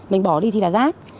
mình bỏ đi thì là rác